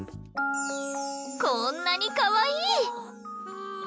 こんなにかわいい！